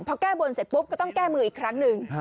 พอแก้บนเสร็จปุ๊บก็ต้องแก้มืออีกครั้งหนึ่ง